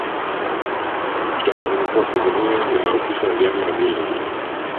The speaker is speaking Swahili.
uchaguzi mkuu wa tanzania unahusisha vyama vingi